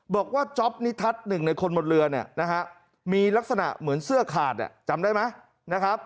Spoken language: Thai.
บอกว่าจ๊อปนิทัศน์หนึ่งในคนหมดเรือนมีลักษณะเหมือนเสื้อขาดจำได้ไหม